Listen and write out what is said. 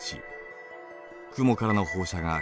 雲からの放射が９。